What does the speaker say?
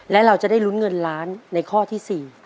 และเราจะได้ลุ้นเงินล้านในข้อที่๔